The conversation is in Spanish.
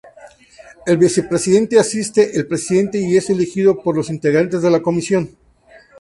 El Vicepresidente asiste el Presidente y es elegido por los integrantes de la Comisión.